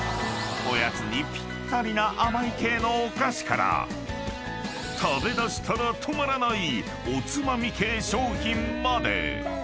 ［おやつにぴったりな甘い系のお菓子から食べだしたら止まらないおつまみ系商品まで］